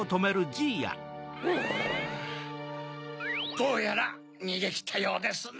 どうやらにげきったようですな。